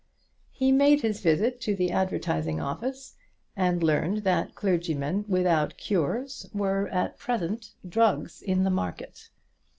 He made his visit to the advertising office, and learned that clergymen without cures were at present drugs in the market.